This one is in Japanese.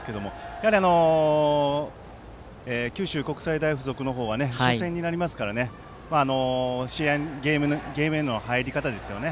やはり、九州国際大付属の方は初戦になりますからゲームへの入り方ですよね。